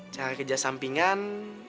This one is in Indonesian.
cari kerja sampingan